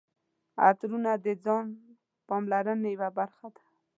عطرونه د ځان پاملرنې یوه برخه ده.